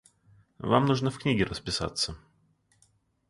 Вам нужно в книге расписаться.